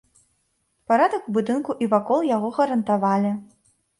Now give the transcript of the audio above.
Парадак у будынку і вакол яго гарантавалі.